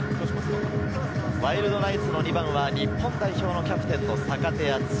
ワイルドナイツの２番は日本代表キャプテンの坂手淳史。